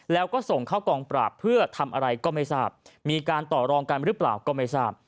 แล้วก็ส่งเข้ากองปราบเพื่อทำอะไรก็ไม่ทราบมีการต่อรองกันหรือเปล่าก็ไม่ทราบ